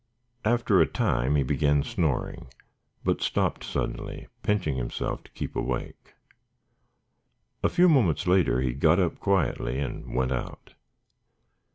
After a time he began snoring, but stopped suddenly, pinching himself to keep awake. A few moments later he got up quietly and went out.